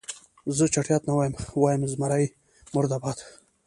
زه چټیات نه وایم، وایم زمري مرده باد.